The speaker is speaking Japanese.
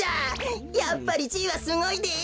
やっぱりじいはすごいです！